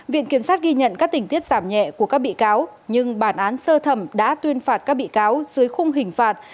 viện kiểm sát ghi nhận các tình tiết giảm nhẹ của các bị cáo nhưng bản án sơ thẩm đã tuyên phạt các bị cáo dưới khung hình phạt